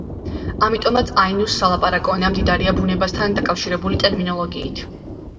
ამიტომაც აინუს სალაპარაკო ენა მდიდარია ბუნებასთან დაკავშირებული ტერმინოლოგიით.